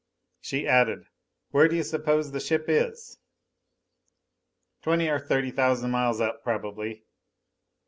She added, "Where do you suppose the ship is?" "Twenty or thirty thousand miles up, probably."